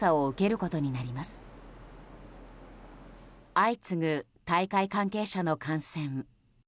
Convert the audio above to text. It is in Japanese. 相次ぐ、大会関係者の感染。